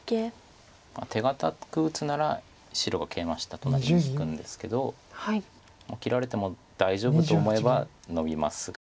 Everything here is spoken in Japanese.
手堅く打つなら白がケイマした隣に引くんですけど切られても大丈夫と思えばノビますが。